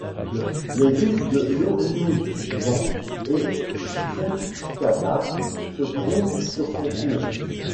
Les villes de Iouriouzan et Oust-Katav se trouvent sur son cours.